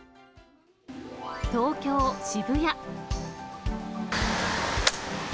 東京・渋谷。